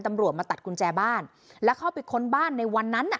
ตำรวจมาตัดกุญแจบ้านแล้วเข้าไปค้นบ้านในวันนั้นอ่ะ